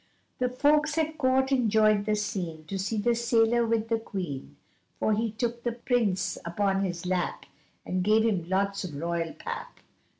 The folks at Court enjoyed the scene, To see the sailor with the Queen, For he took the Prince upon his lap, And gave him lots of royal pap.